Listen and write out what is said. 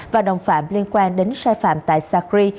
và đồng phạm liên quan đến sai phạm tại sacri